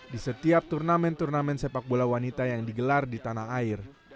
di setiap turnamen turnamen sepak bola wanita yang digelar di tanah air